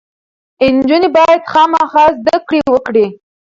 نجونې باید خامخا زده کړې وکړي.